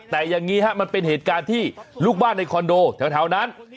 แต่อย่างนี้ฮะมันเป็นเหตุการณ์ที่ลูกบ้านในคอนโดแถวนั้น